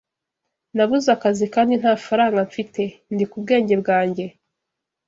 Nabuze akazi kandi nta faranga mfite. Ndi ku bwenge bwanjye.